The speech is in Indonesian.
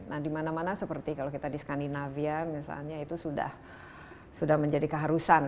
nah di mana mana seperti kalau kita di skandinavia misalnya itu sudah menjadi keharusan